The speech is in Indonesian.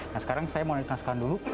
nah sekarang saya mau menonton sekalian dulu